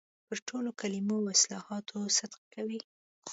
پر ټولو کلمو او اصطلاحاتو صدق کوي.